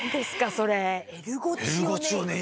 それ。